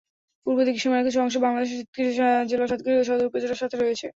পূর্ব দিকে সীমানার কিছু অংশ বাংলাদেশের সাতক্ষীরা জেলার সাতক্ষীরা সদর উপজেলার সাথে রয়েছে।